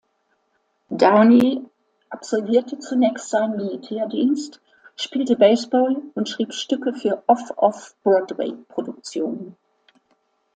Downey absolvierte zunächst seinen Militärdienst, spielte Baseball und schrieb Stücke für Off-Off-Broadway-Produktionen.